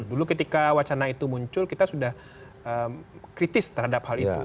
dulu ketika wacana itu muncul kita sudah kritis terhadap hal itu